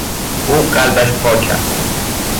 او قلبش پاک است.